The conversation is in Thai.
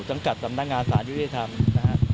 จังกัดสำนักงานศาลยุธิธรรมนะครับ